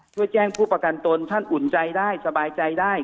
เพื่อแจ้งผู้ประกันตนท่านอุ่นใจได้สบายใจได้